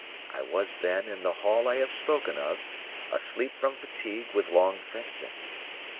I was, then, in the hall I have spoken of, asleep from fatigue with long fencing.